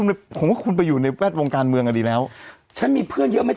ไม่ต้องมายุ่งเรื่องฉันเรื่องเธอน่ะ